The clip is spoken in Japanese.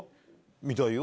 みたいよ。